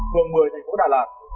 vườn một mươi tp đà lạt